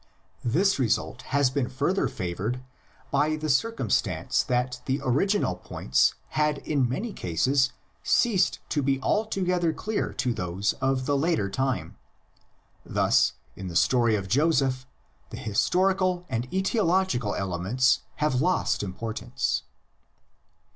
This result has been further favored by the circumstance that the original points had in many cases ceased to be altogether clear to those of the later time. Thus in the story of Joseph the historical and aetiological elements have lost impor tance.